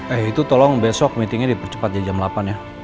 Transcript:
eh itu tolong besok meetingnya dipercepat jadi jam delapan ya